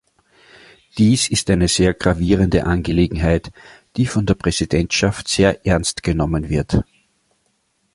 Dies ist eine sehr gravierende Angelegenheit, die von der Präsidentschaft sehr ernstgenommen wird.